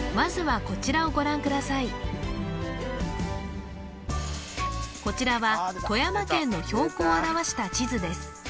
まずはこちらは富山県の標高を表した地図です